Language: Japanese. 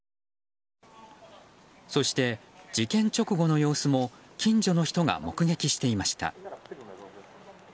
そして、事件直後の様子も近所の人が目撃していました。